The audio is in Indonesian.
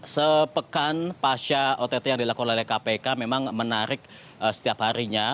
sepekan pasca ott yang dilakukan oleh kpk memang menarik setiap harinya